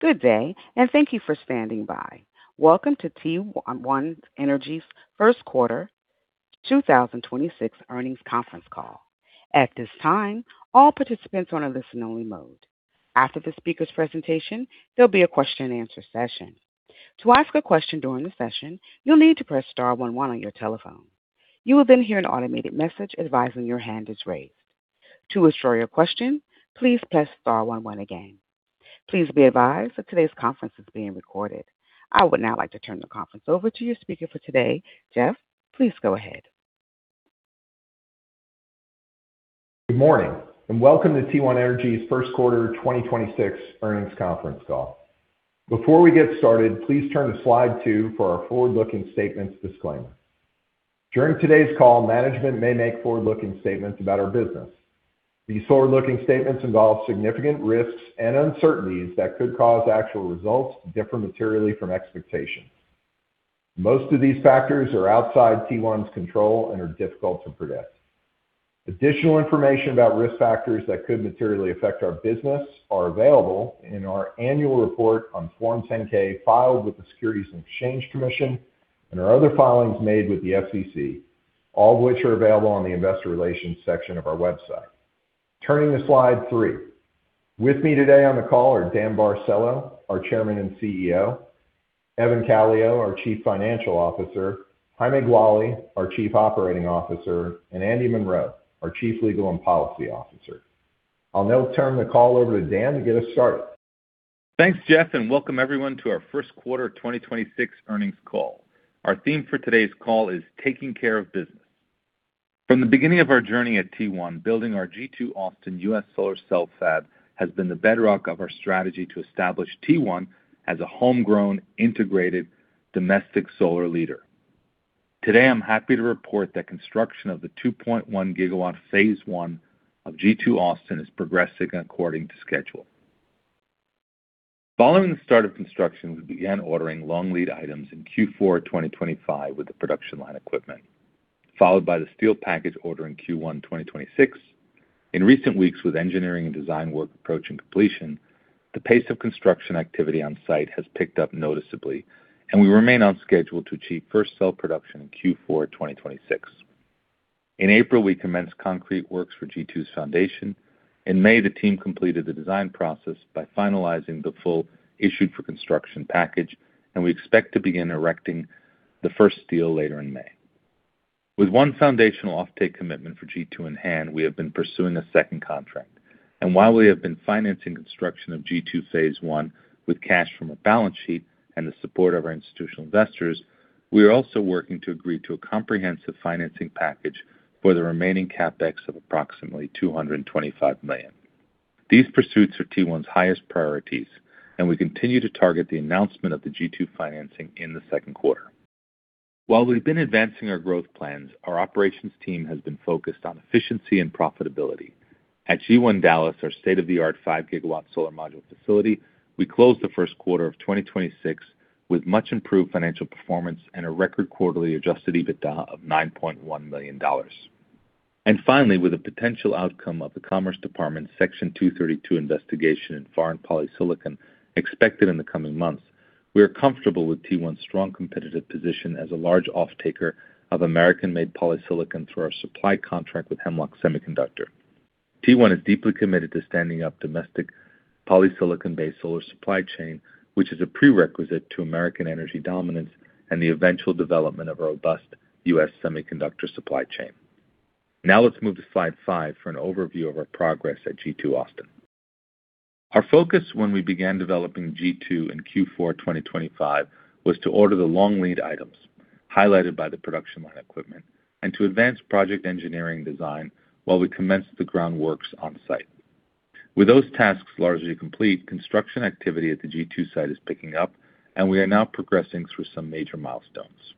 Good day, and thank you for standing by. Welcome to T1 Energy's first quarter 2026 earnings conference call. At this time, all participants are in a listen-only mode. After the speaker's presentation, there'll be a question and answer session. To ask a question during the session, you'll need to press star one one on your telephone. You will then hear an automated message advising your hand is raised. To withdraw your question, please press star one one again. Please be advised that today's conference is being recorded. I would now like to turn the conference over to your speaker for today. Jeff, please go ahead. Good morning, and welcome to T1 Energy's first quarter 2026 earnings conference call. Before we get started, please turn to slide two for our forward-looking statements disclaimer. During today's call, management may make forward-looking statements about our business. These forward-looking statements involve significant risks and uncertainties that could cause actual results to differ materially from expectations. Most of these factors are outside T1's control and are difficult to predict. Additional information about risk factors that could materially affect our business are available in our annual report on Form 10-K filed with the Securities and Exchange Commission and our other filings made with the SEC, all of which are available on the investor relations section of our website. Turning to slide three. With me today on the call are Dan Barcelo, our Chairman and CEO, Evan Calio, our Chief Financial Officer, Jaime Gualy, our Chief Operating Officer, and Andy Munro, our Chief Legal and Policy Officer. I'll now turn the call over to Dan to get us started. Thanks, Jeff. Welcome everyone to our first quarter 2026 earnings call. Our theme for today's call is taking care of business. From the beginning of our journey at T1, building our G2_Austin U.S. solar cell fab has been the bedrock of our strategy to establish T1 as a homegrown, integrated domestic solar leader. Today, I'm happy to report that construction of the 2.1 GW Phase 1 of G2_Austin is progressing according to schedule. Following the start of construction, we began ordering long lead items in Q4 2025 with the production line equipment, followed by the steel package order in Q1 2026. In recent weeks, with engineering and design work approaching completion, the pace of construction activity on site has picked up noticeably, and we remain on schedule to achieve first cell production in Q4 2026. In April, we commenced concrete works for G2's foundation. In May, the team completed the design process by finalizing the full issue for construction package. We expect to begin erecting the first steel later in May. With one foundational offtake commitment for G2 in hand, we have been pursuing a second contract. While we have been financing construction of G2 Phase 1 with cash from a balance sheet and the support of our institutional investors, we are also working to agree to a comprehensive financing package for the remaining CapEx of approximately $225 million. These pursuits are T1's highest priorities. We continue to target the announcement of the G2 financing in the second quarter. While we've been advancing our growth plans, our operations team has been focused on efficiency and profitability. At G1_Dallas, our state-of-the-art 5 GW solar module facility, we closed the first quarter of 2026 with much improved financial performance and a record quarterly adjusted EBITDA of $9.1 million. Finally, with the potential outcome of the United States Department of Commerce's Section 232 investigation in foreign polysilicon expected in the coming months, we are comfortable with T1's strong competitive position as a large offtaker of American-made polysilicon through our supply contract with Hemlock Semiconductor. T1 is deeply committed to standing up domestic polysilicon-based solar supply chain, which is a prerequisite to American energy dominance and the eventual development of a robust U.S. semiconductor supply chain. Now let's move to slide five for an overview of our progress at G2_Austin. Our focus when we began developing G2 in Q4 2025 was to order the long lead items highlighted by the production line equipment and to advance project engineering design while we commenced the groundworks on-site. With those tasks largely complete, construction activity at the G2 site is picking up, and we are now progressing through some major milestones.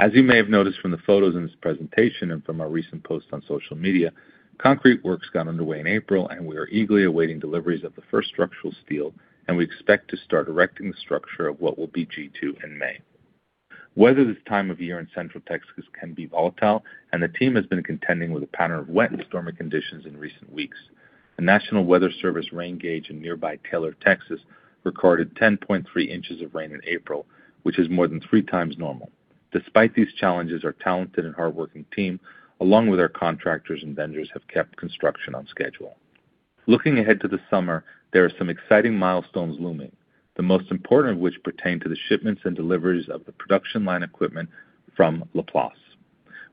As you may have noticed from the photos in this presentation and from our recent post on social media, concrete works got underway in April, and we are eagerly awaiting deliveries of the first structural steel, and we expect to start erecting the structure of what will be G2 in May. Weather this time of year in Central Texas can be volatile, and the team has been contending with a pattern of wet and stormy conditions in recent weeks. A National Weather Service rain gauge in nearby Taylor, Texas, recorded 10.3 in of rain in April, which is more than three times normal. Despite these challenges, our talented and hardworking team, along with our contractors and vendors, have kept construction on schedule. Looking ahead to the summer, there are some exciting milestones looming, the most important of which pertain to the shipments and deliveries of the production line equipment from Laplace.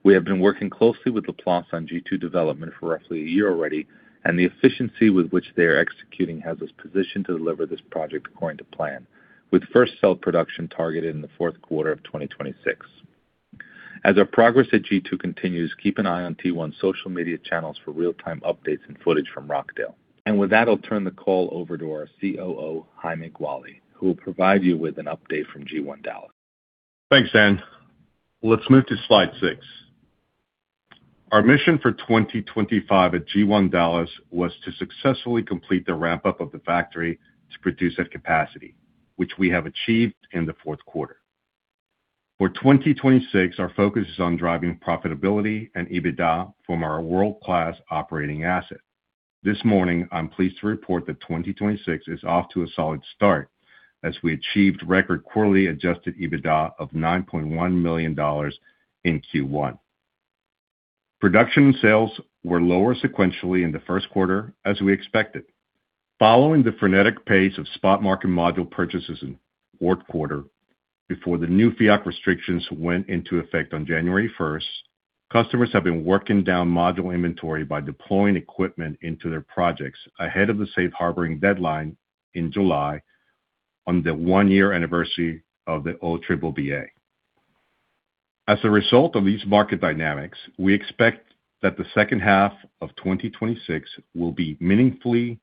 We have been working closely with Laplace on G2 development for roughly a year already, and the efficiency with which they are executing has us positioned to deliver this project according to plan, with first cell production targeted in the fourth quarter of 2026. As our progress at G2 continues, keep an eye on T1's social media channels for real-time updates and footage from Rockdale. With that, I'll turn the call over to our COO, Jaime Gualy, who will provide you with an update from G1_Dallas. Thanks, Dan. Let's move to slide six. Our mission for 2025 at G1_Dallas was to successfully complete the ramp-up of the factory to produce at capacity, which we have achieved in the fourth quarter. For 2026, our focus is on driving profitability and EBITDA from our world-class operating asset. This morning, I'm pleased to report that 2026 is off to a solid start as we achieved record quarterly adjusted EBITDA of $9.1 million in Q1. Production and sales were lower sequentially in the first quarter as we expected. Following the frenetic pace of spot market module purchases in fourth quarter before the new FEOC restrictions went into effect on January 1st, customers have been working down module inventory by deploying equipment into their projects ahead of the safe harboring deadline in July on the one-year anniversary of the OBBBA. As a result of these market dynamics, we expect that the second half of 2026 will be meaningfully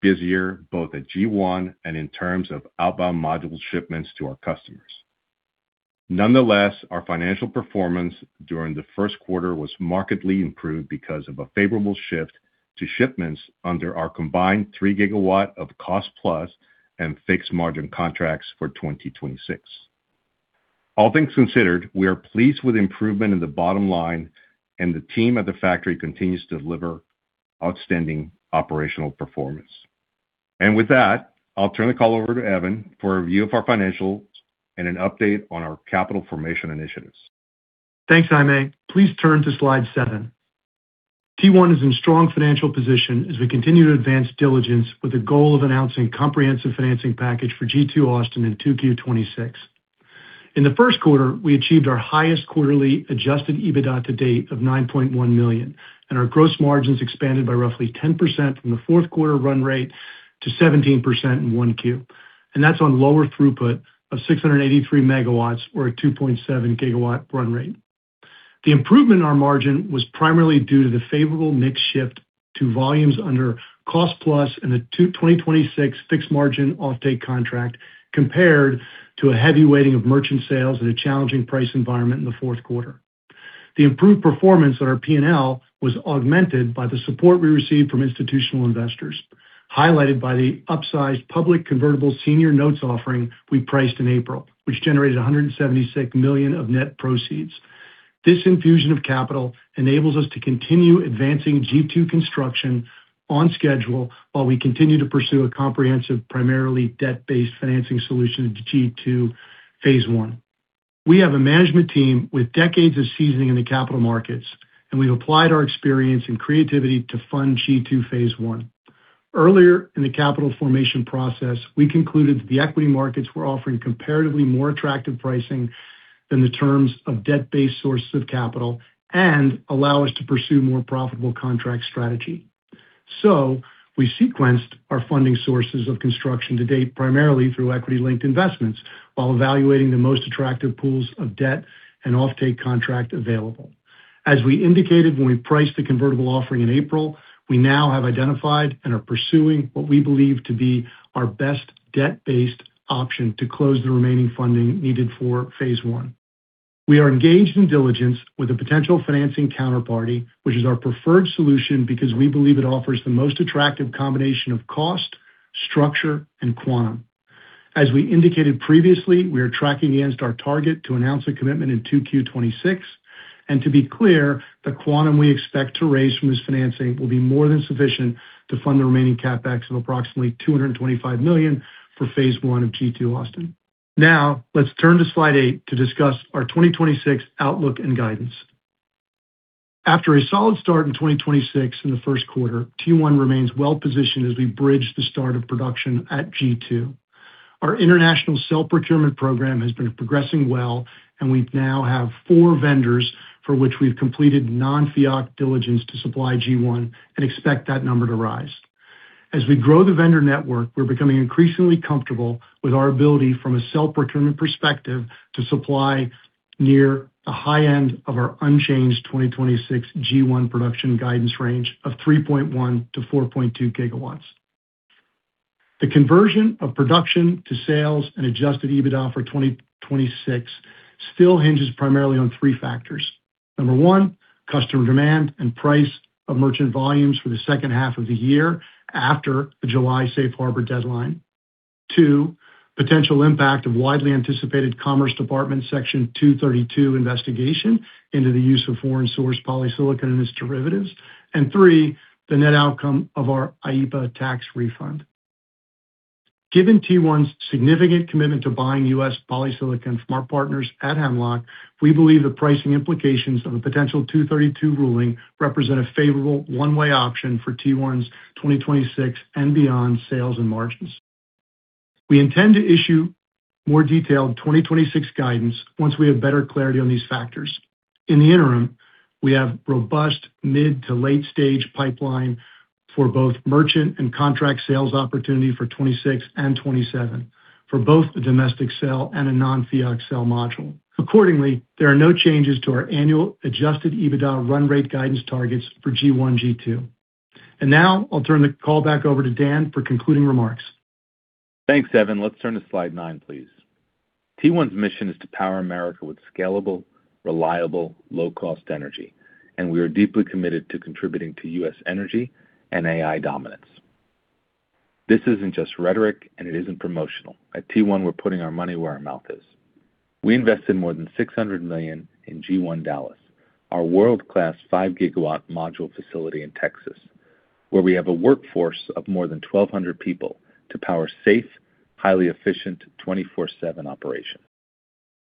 busier both at G1 and in terms of outbound module shipments to our customers. Nonetheless, our financial performance during the first quarter was markedly improved because of a favorable shift to shipments under our combined 3 GW of cost-plus and fixed margin contracts for 2026. All things considered, we are pleased with improvement in the bottom line, and the team at the factory continues to deliver outstanding operational performance. With that, I'll turn the call over to Evan for a view of our financials and an update on our capital formation initiatives. Thanks, Jaime. Please turn to slide seven. T1 is in strong financial position as we continue to advance diligence with the goal of announcing comprehensive financing package for G2_Austin in 2Q 2026. In the first quarter, we achieved our highest quarterly adjusted EBITDA to date of $9.1 million. Our gross margins expanded by roughly 10% from the fourth quarter run rate to 17% in 1Q. That's on lower throughput of 683 MW or a 2.7 GW run rate. The improvement in our margin was primarily due to the favorable mix shift to volumes under cost-plus and the 2026 fixed margin offtake contract compared to a heavy weighting of merchant sales and a challenging price environment in the fourth quarter. The improved performance on our P&L was augmented by the support we received from institutional investors, highlighted by the upsized public convertible senior notes offering we priced in April, which generated $176 million of net proceeds. This infusion of capital enables us to continue advancing G2 construction on schedule while we continue to pursue a comprehensive, primarily debt-based financing solution to G2 Phase 1. We have a management team with decades of seasoning in the capital markets, and we've applied our experience and creativity to fund G2 Phase 1. Earlier in the capital formation process, we concluded that the equity markets were offering comparatively more attractive pricing than the terms of debt-based sources of capital and allow us to pursue more profitable contract strategy. We sequenced our funding sources of construction to date primarily through equity-linked investments while evaluating the most attractive pools of debt and offtake contract available. As we indicated when we priced the convertible offering in April, we now have identified and are pursuing what we believe to be our best debt-based option to close the remaining funding needed for Phase 1. We are engaged in diligence with a potential financing counterparty, which is our preferred solution because we believe it offers the most attractive combination of cost, structure, and quantum. As we indicated previously, we are tracking against our target to announce a commitment in 2Q 2026. To be clear, the quantum we expect to raise from this financing will be more than sufficient to fund the remaining CapEx of approximately $225 million for Phase 1 of G2_Austin. Let's turn to slide eight to discuss our 2026 outlook and guidance. After a solid start in 2026 in the first quarter, T1 remains well positioned as we bridge the start of production at G2. Our international cell procurement program has been progressing well, and we now have four vendors for which we've completed non-FEOC diligence to supply G1 and expect that number to rise. As we grow the vendor network, we're becoming increasingly comfortable with our ability from a cell procurement perspective to supply near the high end of our unchanged 2026 G1 production guidance range of 3.1 GW-4.2 GW. The conversion of production to sales and adjusted EBITDA for 2026 still hinges primarily on three factors. Number one, customer demand and price of merchant volumes for the second half of the year after the July safe harbor deadline. Two, potential impact of widely anticipated Commerce Department Section 232 investigation into the use of foreign source polysilicon and its derivatives. Three, the net outcome of our IEEPA tax refund. Given T1's significant commitment to buying U.S. polysilicon from our partners at Hemlock, we believe the pricing implications of a potential 232 ruling represent a favorable one-way option for T1's 2026 and beyond sales and margins. We intend to issue more detailed 2026 guidance once we have better clarity on these factors. In the interim, we have robust mid to late stage pipeline for both merchant and contract sales opportunity for 2026 and 2027 for both the domestic cell and a non-FEOC cell module. There are no changes to our annual adjusted EBITDA run rate guidance targets for G1, G2. Now I'll turn the call back over to Dan for concluding remarks. Thanks, Evan. Let's turn to slide nine, please. T1's mission is to power America with scalable, reliable, low-cost energy. We are deeply committed to contributing to U.S. energy and AI dominance. This isn't just rhetoric, and it isn't promotional. At T1, we're putting our money where our mouth is. We invested more than $600 million in G1_Dallas, our world-class 5 GW module facility in Texas, where we have a workforce of more than 1,200 people to power safe, highly efficient 24/7 operation.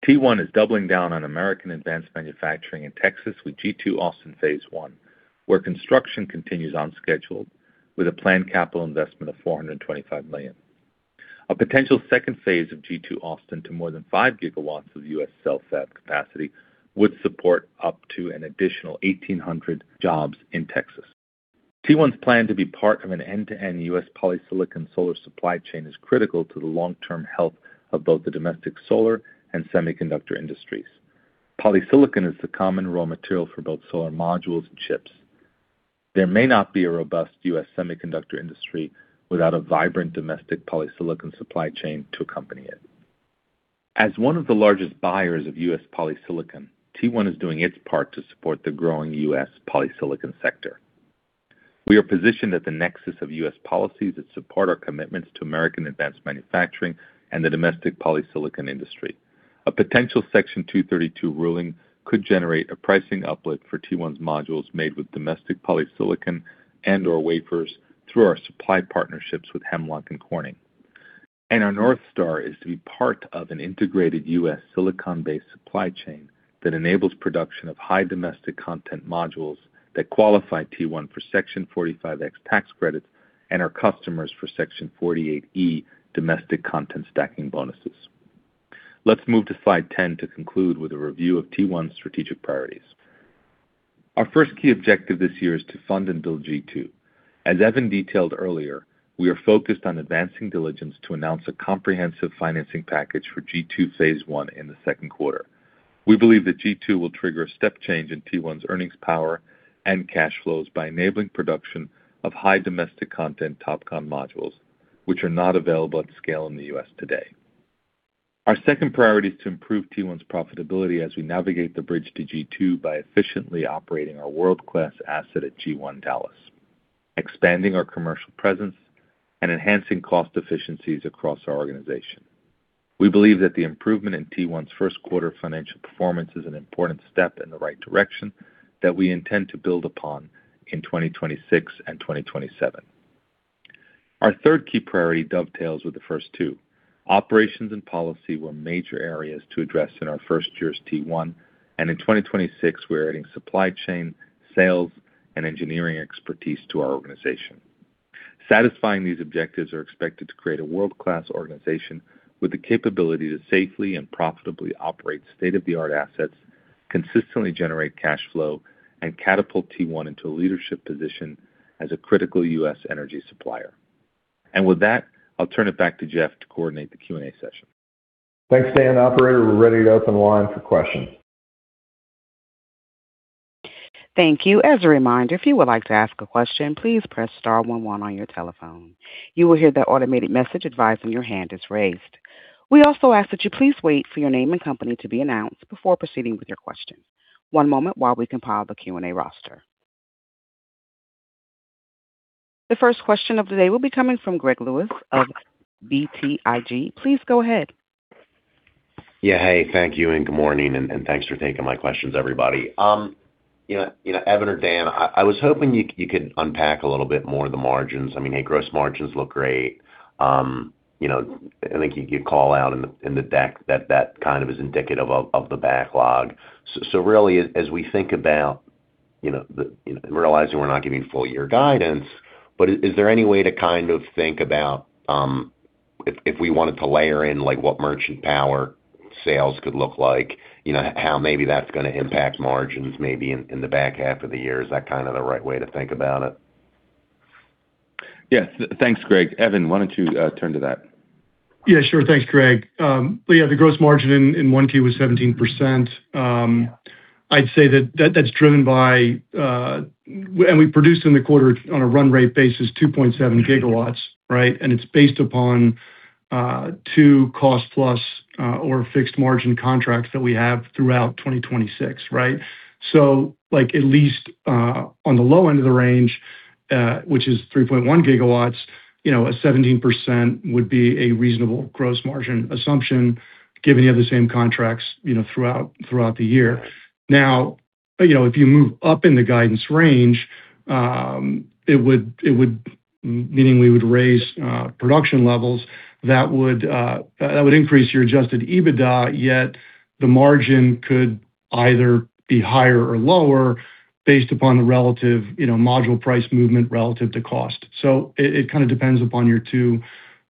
T1 is doubling down on American advanced manufacturing in Texas with G2_Austin Phase 1, where construction continues on schedule with a planned capital investment of $425 million. A potential second phase of G2_Austin to more than 5 GW of U.S. cell fab capacity would support up to an additional 1,800 jobs in Texas. T1's plan to be part of an end-to-end U.S. polysilicon solar supply chain is critical to the long-term health of both the domestic solar and semiconductor industries. Polysilicon is the common raw material for both solar modules and chips. There may not be a robust U.S. semiconductor industry without a vibrant domestic polysilicon supply chain to accompany it. As one of the largest buyers of U.S. polysilicon, T1 is doing its part to support the growing U.S. polysilicon sector. We are positioned at the nexus of U.S. policies that support our commitments to American advanced manufacturing and the domestic polysilicon industry. A potential Section 232 ruling could generate a pricing uplift for T1's modules made with domestic polysilicon and/or wafers through our supply partnerships with Hemlock and Corning. Our North Star is to be part of an integrated U.S. silicon-based supply chain that enables production of high domestic content modules that qualify T1 for Section 45X tax credits and our customers for Section 48E domestic content stacking bonuses. Let's move to slide 10 to conclude with a review of T1's strategic priorities. Our first key objective this year is to fund and build G2. As Evan detailed earlier, we are focused on advancing diligence to announce a comprehensive financing package for G2 Phase 1 in the second quarter. We believe that G2 will trigger a step change in T1's earnings power and cash flows by enabling production of high domestic content TOPCon modules, which are not available at scale in the U.S. today. Our second priority is to improve T1's profitability as we navigate the bridge to G2 by efficiently operating our world-class asset at G1_Dallas, expanding our commercial presence, and enhancing cost efficiencies across our organization. We believe that the improvement in T1's first quarter financial performance is an important step in the right direction that we intend to build upon in 2026 and 2027. Our third key priority dovetails with the two. Operations and policy were major areas to address in our first years T1, in 2026 we're adding supply chain, sales, and engineering expertise to our organization. Satisfying these objectives are expected to create a world-class organization with the capability to safely and profitably operate state-of-the-art assets, consistently generate cash flow, and catapult T1 into a leadership position as a critical U.S. energy supplier. With that, I'll turn it back to Jeff to coordinate the Q&A session. Thanks, Dan. Operator, we're ready to open lines for questions. Thank you. As a reminder, if you would like to ask a question, please press star one one on your telephone. You will hear the automated message advising your hand is raised. We also ask that you please wait for your name and company to be announced before proceeding with your question. One moment while we compile the Q&A roster. The first question of the day will be coming from Greg Lewis of BTIG. Please go ahead. Yeah, hey. Thank you, good morning, and thanks for taking my questions, everybody. You know, you know, Evan or Dan, I was hoping you could unpack a little bit more of the margins. I mean, hey, gross margins look great. You know, I think you call out in the deck that kind of is indicative of the backlog. Really, as we think about, you know, realizing we're not giving full year guidance, but is there any way to kind of think about if we wanted to layer in, like, what merchant power sales could look like, you know, how maybe that's gonna impact margins maybe in the back half of the year? Is that kind of the right way to think about it? Yes. thanks, Greg. Evan, why don't you turn to that? Yeah, sure. Thanks, Greg. Yeah, the gross margin in Q1 was 17%. I'd say that's driven by. We produced in the quarter on a run rate basis 2.7 GW, right? It's based upon two cost-plus or fixed margin contracts that we have throughout 2026, right? Like, at least on the low end of the range, which is 3.1 GW, you know, a 17% would be a reasonable gross margin assumption given you have the same contracts, you know, throughout the year. Now, you know, if you move up in the guidance range, meaning we would raise production levels, that would increase your adjusted EBITDA, yet the margin could either be higher or lower based upon the relative, you know, module price movement relative to cost. It kind of depends upon your two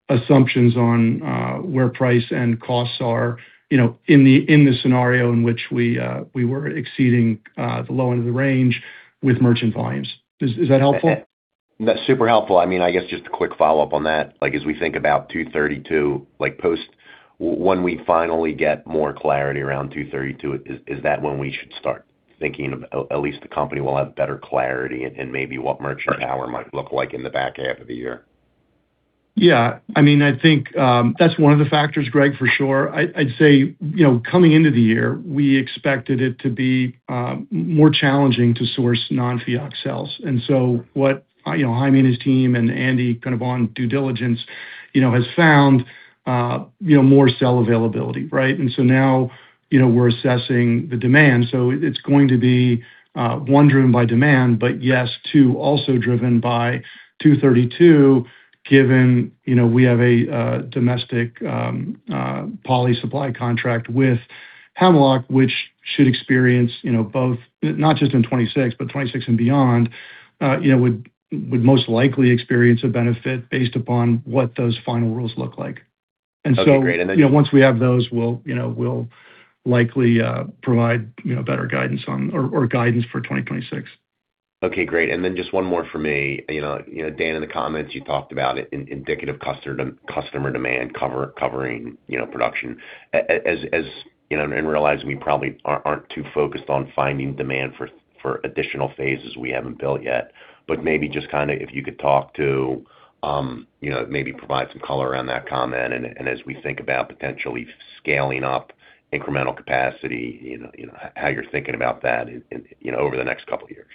assumptions on where price and costs are, you know, in the scenario in which we were exceeding the low end of the range with merchant volumes. Is that helpful? That's super helpful. I mean, I guess just a quick follow-up on that, like, as we think about 232, like When we finally get more clarity around 232, is that when we should start thinking of at least the company will have better clarity and maybe what merchant power might look like in the back half of the year? Yeah, I mean, I think that's one of the factors, Greg, for sure. I'd say, you know, coming into the year, we expected it to be more challenging to source non-FEOC cells. What, you know, Jaime and his team and Andy kind of on due diligence, you know, has found, you know, more cell availability, right? Now, you know, we're assessing the demand. It's going to be one, driven by demand, but yes, two, also driven by Section 232, given, you know, we have a domestic poly supply contract with Hemlock, which should experience, you know, both not just in 2026, but 2026 and beyond, you know, would most likely experience a benefit based upon what those final rules look like. That'd be great. You know, once we have those, we'll, you know, we'll likely provide, you know, better guidance on or guidance for 2026. Okay, great. Just one more for me. You know, Dan, in the comments you talked about indicative customer demand covering, you know, production. As, you know, realizing we probably aren't too focused on finding demand for additional phases we haven't built yet. Maybe just kinda if you could talk to, you know, maybe provide some color around that comment as we think about potentially scaling up incremental capacity, how you're thinking about that in, you know, over the next couple years.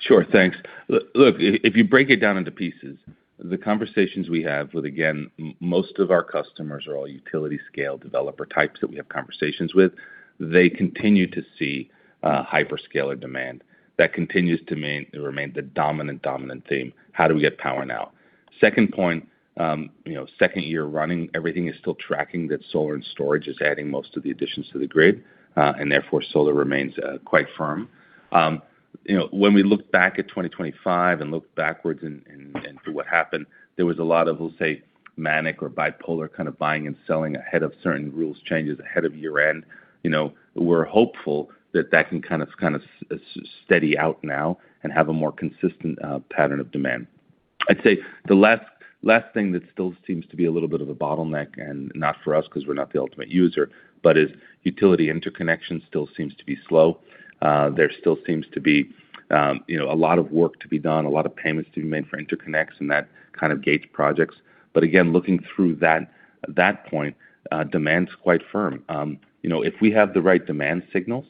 Sure. Thanks. If you break it down into pieces, the conversations we have with, again, most of our customers are all utility scale developer types that we have conversations with. They continue to see hyperscaler demand. That continues to remain the dominant theme. How do we get power now? Second point, you know, second year running, everything is still tracking that solar and storage is adding most of the additions to the grid, and therefore, solar remains quite firm. You know, when we look back at 2025 and look backwards and through what happened, there was a lot of, we'll say, manic or bipolar kind of buying and selling ahead of certain rules changes ahead of year-end. You know, we're hopeful that that can kind of steady out now and have a more consistent pattern of demand. I'd say the last thing that still seems to be a little bit of a bottleneck, and not for us because we're not the ultimate user, but is utility interconnection still seems to be slow. There still seems to be, you know, a lot of work to be done, a lot of payments to be made for interconnects, and that kind of gates projects. Again, looking through that point, demand's quite firm. You know, if we have the right demand signals,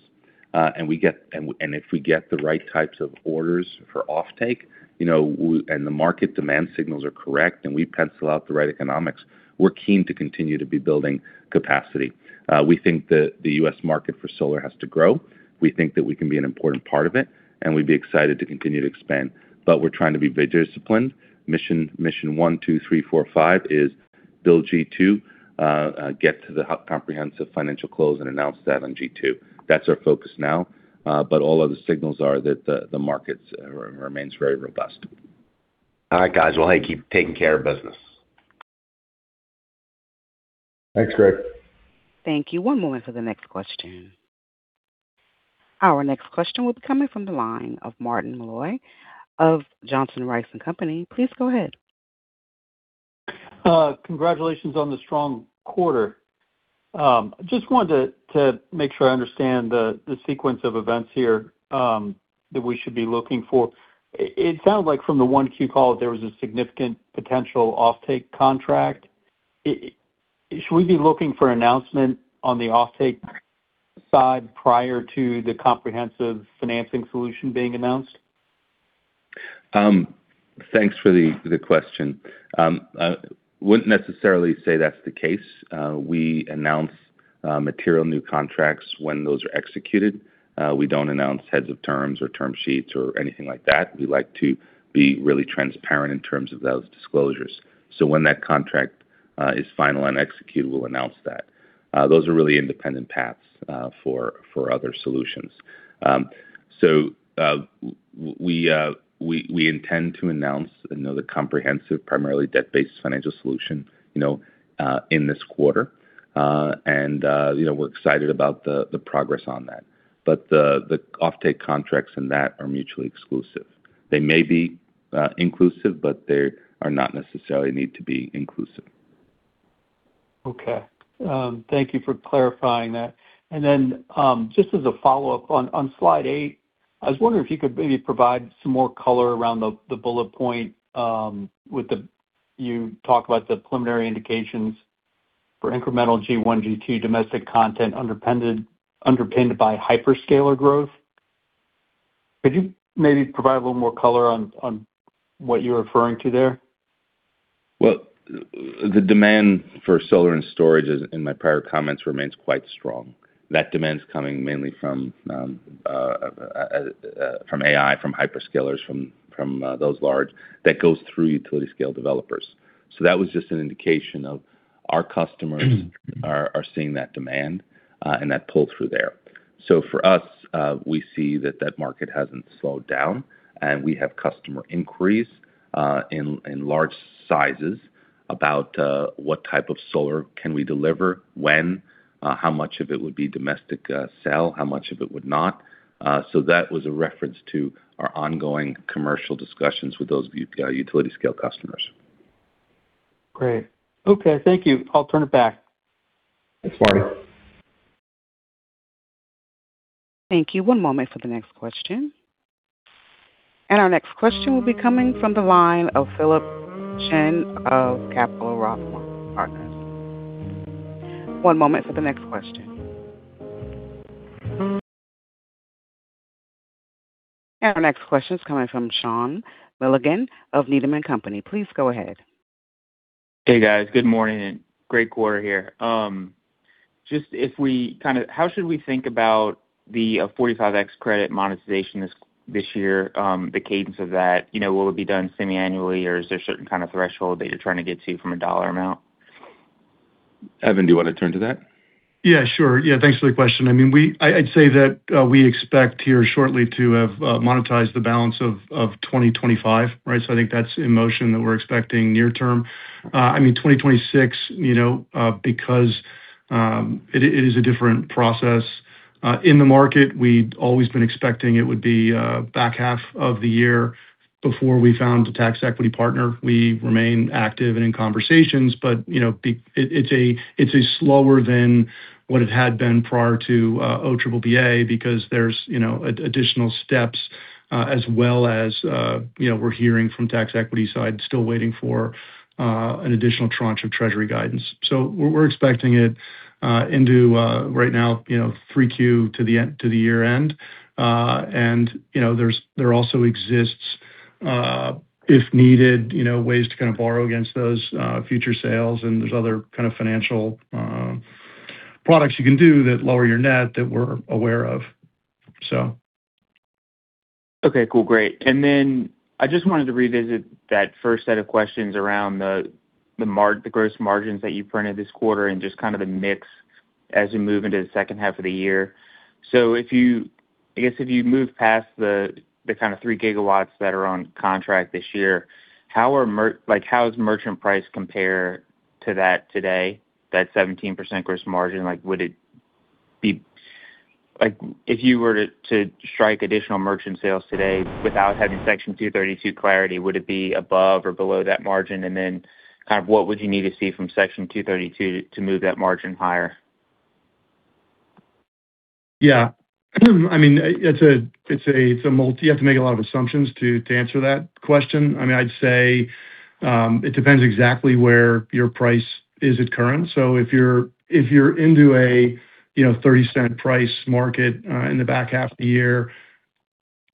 and if we get the right types of orders for offtake, you know, and the market demand signals are correct and we pencil out the right economics, we're keen to continue to be building capacity. We think that the U.S. market for solar has to grow. We think that we can be an important part of it, and we'd be excited to continue to expand. We're trying to be very disciplined. Mission one, two, three, four, five is build G2, get to the comprehensive financial close and announce that on G2. That's our focus now. All of the signals are that the markets remains very robust. All right, guys. Well, hey, keep taking care of business. Thanks, Greg. Thank you. One moment for the next question. Our next question will be coming from the line of Marty Malloy of Johnson Rice & Company. Please go ahead. Congratulations on the strong quarter. Just wanted to make sure I understand the sequence of events here that we should be looking for. It sounds like from the 1Q call, there was a significant potential offtake contract. Should we be looking for announcement on the offtake side prior to the comprehensive financing solution being announced? Thanks for the question. I wouldn't necessarily say that's the case. We announce material new contracts when those are executed. We don't announce heads of terms or term sheets or anything like that. We like to be really transparent in terms of those disclosures. When that contract is final and executed, we'll announce that. Those are really independent paths for other solutions. We intend to announce another comprehensive, primarily debt-based financial solution, you know, in this quarter. You know, we're excited about the progress on that. The offtake contracts and that are mutually exclusive. They may be inclusive, but they are not necessarily need to be inclusive. Okay. thank you for clarifying that. Then, just as a follow-up on slide eight, I was wondering if you could maybe provide some more color around the bullet point, you talk about the preliminary indications for incremental G1, G2 domestic content underpinned by hyperscaler growth. Could you maybe provide a little more color on what you're referring to there? The demand for solar and storage, as in my prior comments, remains quite strong. That demand's coming mainly from AI, from hyperscalers, from those large that goes through utility scale developers. That was just an indication of our customers are seeing that demand and that pull through there. For us, we see that market hasn't slowed down, and we have customer inquiries in large sizes about what type of solar can we deliver, when, how much of it would be domestic sell, how much of it would not. That was a reference to our ongoing commercial discussions with those utility scale customers. Great. Okay, thank you. I'll turn it back. Thanks, Marty. Thank you. One moment for the next question. Our next question will be coming from the line of Philip Shen of Roth Capital Roth Partners. One moment for the next question. Our next question is coming from Sean Milligan of Needham & Company. Please go ahead. Hey, guys. Good morning. Great quarter here. How should we think about the 45X credit monetization this year, the cadence of that? You know, will it be done semi-annually, or is there a certain kind of threshold that you're trying to get to from a dollar amount? Evan, do you want to turn to that? Sure. Thanks for the question. I mean, I'd say that we expect here shortly to have monetized the balance of 2025, right? I think that's in motion that we're expecting near term. I mean 2026, you know, because it is a different process in the market. We'd always been expecting it would be back half of the year before we found a tax equity partner. We remain active and in conversations, but, you know, it's a slower than what it had been prior to OBBBA because there's, you know, additional steps, as well as, you know, we're hearing from tax equity side, still waiting for an additional tranche of Treasury guidance. We're expecting it, into, right now, you know, 3Q to the end, to the year-end. You know, there's, there also exists, if needed, you know, ways to kind of borrow against those, future sales, and there's other kind of financial, products you can do that lower your net that we're aware of. Okay, cool. Great. I just wanted to revisit that first set of questions around the gross margins that you printed this quarter and just kind of the mix as you move into the second half of the year. If you, I guess if you move past the 3 GW that are on contract this year, how does merchant price compare to that today, that 17% gross margin? Would it be, if you were to strike additional merchant sales today without having Section 232 clarity, would it be above or below that margin? What would you need to see from Section 232 to move that margin higher? I mean, you have to make a lot of assumptions to answer that question. I mean, I'd say, it depends exactly where your price is at current. If you're into a, you know, $0.30 price market in the back half of the year,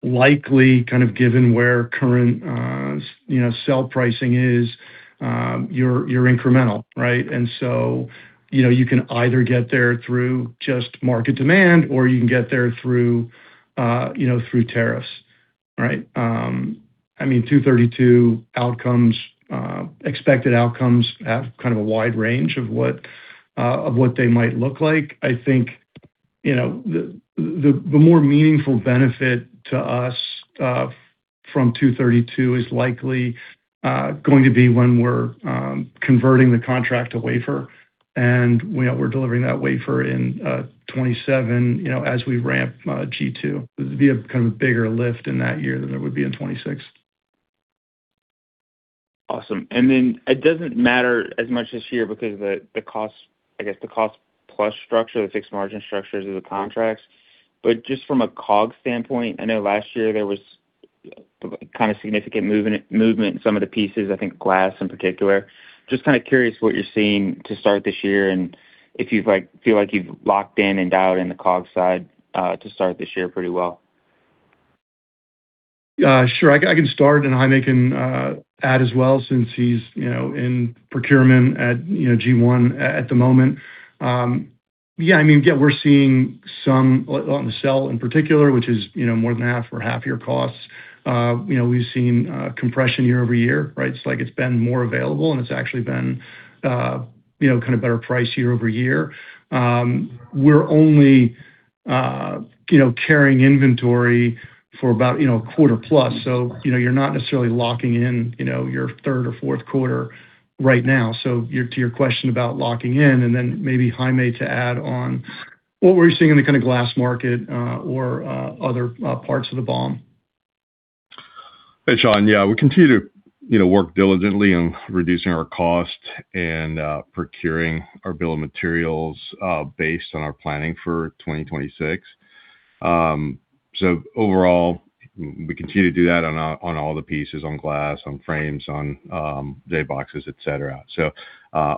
likely kind of given where current, you know, sell pricing is, you're incremental, right? You know, you can either get there through just market demand or you can get there through, you know, through tariffs, right? I mean, 232 outcomes, expected outcomes have kind of a wide range of what of what they might look like. I think, you know, the more meaningful benefit to us from 232 is likely going to be when we're converting the contract to wafer and when we're delivering that wafer in 2027, you know, as we ramp G2. It'll be a kind of bigger lift in that year than there would be in 2026. Awesome. It doesn't matter as much this year because of the cost, I guess the cost-plus structure, the fixed margin structures of the contracts. Just from a COG standpoint, I know last year there was kind of significant movement in some of the pieces, I think glass in particular. Just kinda curious what you're seeing to start this year and if you've feel like you've locked in and dialed in the COG side to start this year pretty well. Sure. I can start. Jaime can add as well since he's, you know, in procurement at, you know, G1 at the moment. I mean, yeah, we're seeing some on the cell in particular, which is, you know, more than half or half your costs. You know, we've seen compression year-over-year, right? It's like it's been more available, it's actually been, you know, kind of better price year-over-year. We're only, you know, carrying inventory for about, you know, a quarter plus. You know, you're not necessarily locking in, you know, your third or fourth quarter right now. To your question about locking in, maybe Jaime to add on what we're seeing in the kind of glass market, or other parts of the BOM. Hey, Sean. Yeah. We continue to work diligently on reducing our cost and procuring our bill of materials based on our planning for 2026. Overall, we continue to do that on all the pieces, on glass, on frames, on junction boxes, et cetera.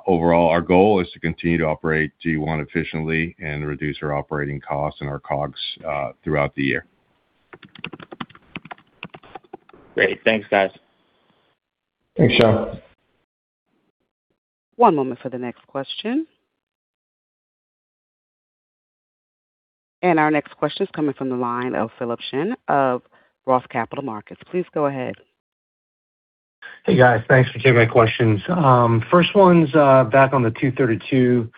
Overall, our goal is to continue to operate G1 efficiently and reduce our operating costs and our COGS throughout the year. Great. Thanks, guys. Thanks, Sean. One moment for the next question. Our next question is coming from the line of Philip Shen of Roth Capital Partners. Please go ahead. Hey, guys. Thanks for taking my questions. First one's back on the 232. You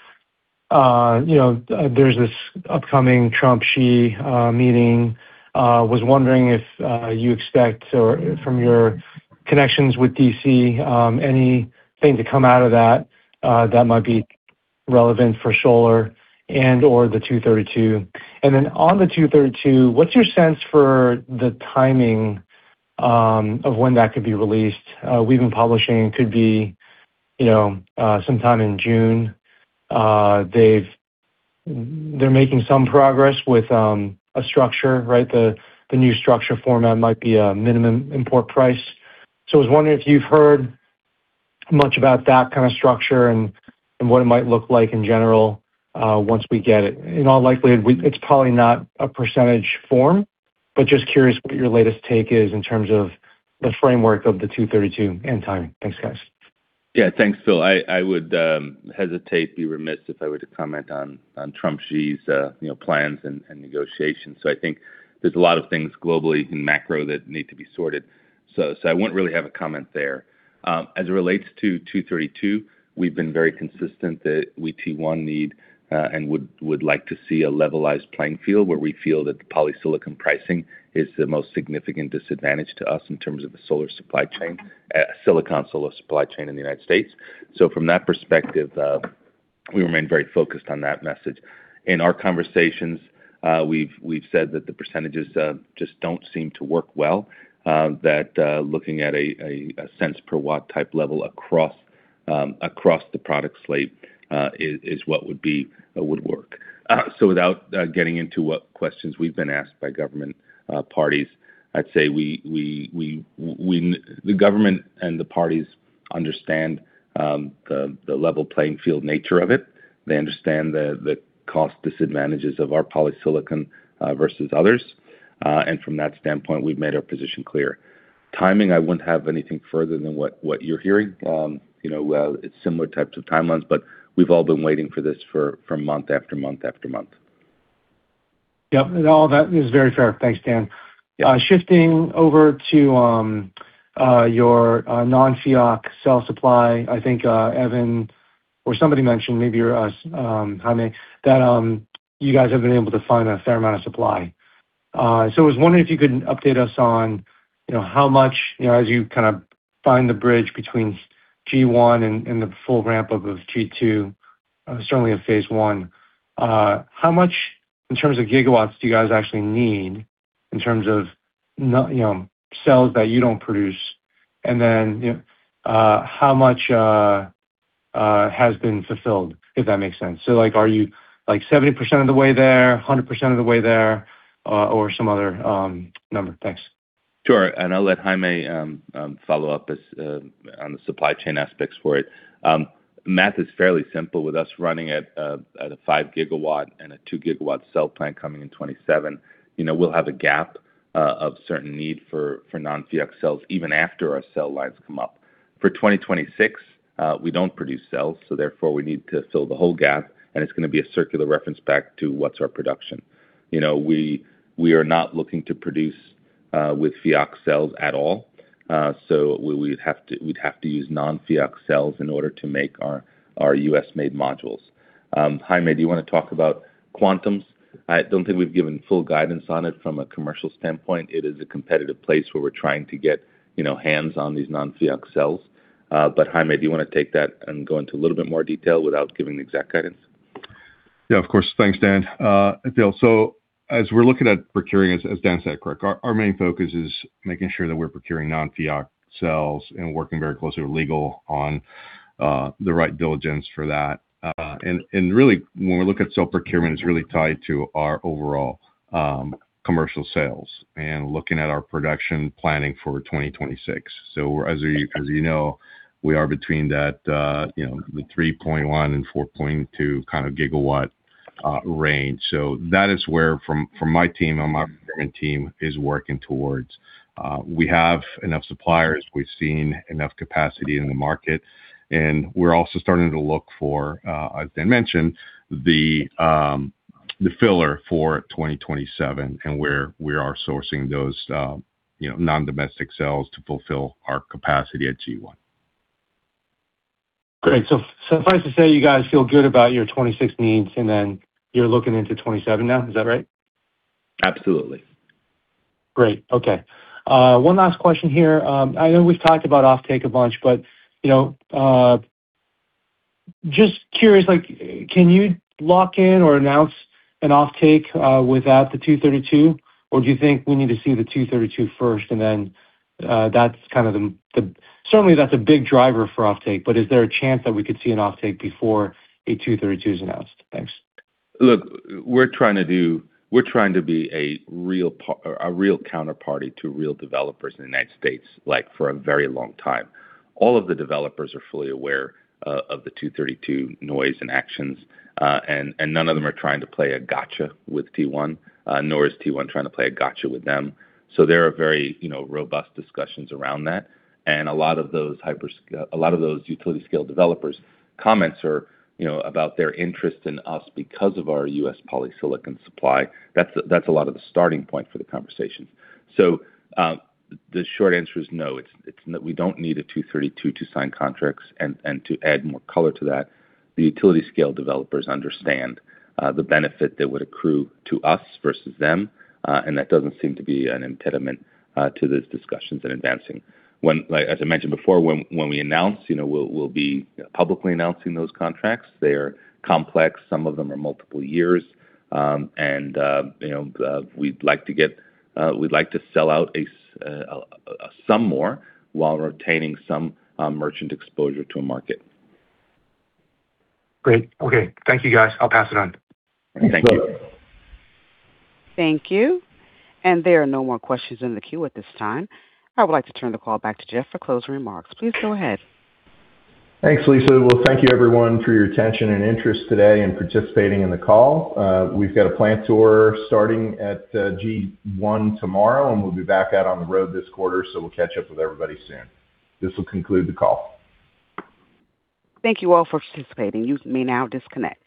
know, there's this upcoming Trump-Xi meeting. Was wondering if you expect or from your connections with D.C., anything to come out of that that might be relevant for Solar and or the 232. On the 232, what's your sense for the timing of when that could be released. We've been publishing it could be, you know, sometime in June. They're making some progress with a structure, right? The new structure format might be a minimum import price. I was wondering if you've heard much about that kind of structure and what it might look like in general once we get it. In all likelihood, it's probably not a percentage form, but just curious what your latest take is in terms of the framework of the Section 232 and timing. Thanks, guys. Yeah. Thanks, Phil. I would hesitate, be remiss if I were to comment on Trump-Xi's, you know, plans and negotiations. I think there's a lot of things globally in macro that need to be sorted, so I won't really have a comment there. As it relates to 232, we've been very consistent that we too want and need and would like to see a levelized playing field where we feel that polysilicon pricing is the most significant disadvantage to us in terms of the solar supply chain, silicon solar supply chain in the United States. From that perspective, we remain very focused on that message. In our conversations, we've said that the percentages just don't seem to work well, that looking at a cent per watt type level across the product slate is what would be, would work. So without getting into what questions we've been asked by government parties, I'd say when the government and the parties understand the level playing field nature of it, they understand the cost disadvantages of our polysilicon versus others, and from that standpoint, we've made our position clear. Timing, I wouldn't have anything further than what you're hearing. You know, it's similar types of timelines, but we've all been waiting for this for month after month after month. Yep. All that is very fair. Thanks, Dan. Shifting over to your non-FEOC cell supply, I think Evan or somebody mentioned, maybe you or us, Jaime, that you guys have been able to find a fair amount of supply. I was wondering if you could update us on how much as you kind of find the bridge between G1 and the full ramp-up of G2, certainly in Phase 1, how much in terms of gigawatts do you guys actually need in terms of no cells that you don't produce? How much has been fulfilled, if that makes sense. Are you 70% of the way there, 100% of the way there, or some other number? Thanks. Sure. I'll let Jaime follow up on the supply chain aspects for it. Math is fairly simple with us running at a 5 GW and a 2 GW cell plant coming in 2027. You know, we'll have a gap of certain need for non-FEOC cells even after our cell lines come up. For 2026, we don't produce cells. Therefore, we need to fill the whole gap, and it's gonna be a circular reference back to what's our production. You know, we are not looking to produce with FEOC cells at all. We would have to use non-FEOC cells in order to make our U.S.-made modules. Jaime, do you wanna talk about quantums? I don't think we've given full guidance on it from a commercial standpoint. It is a competitive place where we're trying to get, you know, hands on these non-FEOC cells. Jaime, do you wanna take that and go into a little bit more detail without giving exact guidance? Of course. Thanks, Dan. Phil, as we're looking at procuring, as Dan said, correct, our main focus is making sure that we're procuring non-FEOC cells and working very closely with legal on the right diligence for that. Really when we look at cell procurement, it's really tied to our overall commercial sales and looking at our production planning for 2026. As you know, we are between that, you know, the 3.1 and 4.2 kind of gigawatt range. That is where from my team and my current team is working towards. We have enough suppliers, we've seen enough capacity in the market, and we're also starting to look for, as Dan mentioned, the filler for 2027 and where we are sourcing those, you know, non-domestic cells to fulfill our capacity at G1. Great. Suffice to say you guys feel good about your 2026 needs and then you're looking into 2027 now. Is that right? Absolutely. Great. Okay. One last question here. I know we've talked about offtake a bunch, but, you know, just curious, like, can you lock in or announce an offtake without the 232? Do you think we need to see the 232 first and then, Certainly that's a big driver for offtake, but is there a chance that we could see an offtake before a 232 is announced? Thanks. Look, we're trying to be a real counterparty to real developers in the United States, like, for a very long time. All of the developers are fully aware of the Section 232 noise and actions. None of them are trying to play a gotcha with T1, nor is T1 trying to play a gotcha with them. There are very, you know, robust discussions around that and a lot of those utility scale developers comments are, you know, about their interest in us because of our U.S. polysilicon supply. That's a lot of the starting point for the conversations. The short answer is no, it's we don't need a Section 232 to sign contracts. To add more color to that, the utility scale developers understand the benefit that would accrue to us versus them, and that doesn't seem to be an impediment to those discussions and advancing. When as I mentioned before, when we announce, we'll be publicly announcing those contracts. They are complex. Some of them are multiple years. We'd like to get, we'd like to sell out some more while retaining some merchant exposure to a market. Great. Okay. Thank you, guys. I'll pass it on. Thank you. Thanks. Thank you. There are no more questions in the queue at this time. I would like to turn the call back to Jeff for closing remarks. Please go ahead. Thanks, Lisa. Well, thank you everyone for your attention and interest today in participating in the call. We've got a plant tour starting at G1 tomorrow, and we'll be back out on the road this quarter, so we'll catch up with everybody soon. This will conclude the call. Thank you all for participating. You may now disconnect.